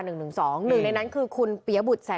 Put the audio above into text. หนึ่งในนั้นคือ